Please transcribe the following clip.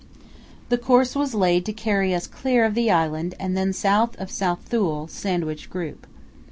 The course was laid to carry us clear of the island and then south of South Thule, Sandwich Group.